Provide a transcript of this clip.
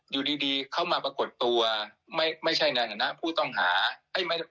อยู่ดีเขามาปรากฏตัว